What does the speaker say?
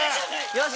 よし！